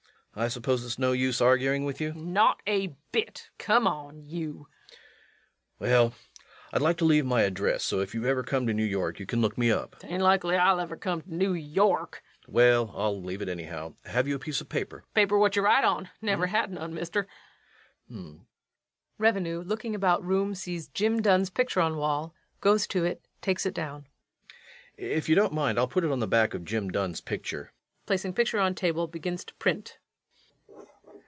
REVENUE. I suppose it's no use arguing with you. LUKE. Not a bit. Come on, you. REVENUE. Well, I'd like to leave my address so if you ever come to New York you can look me up. LUKE. 'Tain't likely I'll ever come to New York. REVENUE. Well, I'll leave it, anyhow. Have you a piece of paper? LUKE. Paper what you write on? Never had none, mister. REVENUE. [Looking about room, sees JIM DUNN's picture on wall, goes to it, takes it down.] If you don't mind, I'll put it on the back of Jim Dunn's picture. [_Placing picture on table, begins to print.